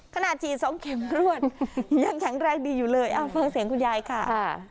ฉีด๒เข็มรวดยังแข็งแรงดีอยู่เลยเอาฟังเสียงคุณยายค่ะ